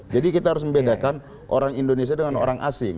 jadi kita harus membedakan orang indonesia dengan orang asing